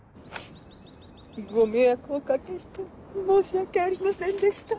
ご迷惑お掛けして申し訳ありませんでした。